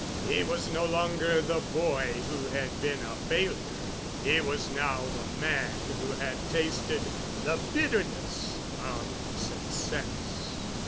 He was no longer the boy who had been a failure. He was now the man who had tasted the bitterness of success.